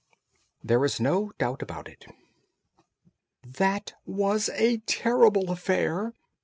THERE IS NO DOUBT ABOUT IT "That was a terrible affair!"